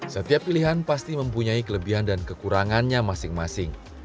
setiap pilihan pasti mempunyai kelebihan dan kekurangannya masing masing